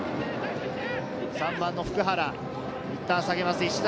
３番の普久原、いったん下げます、石崎。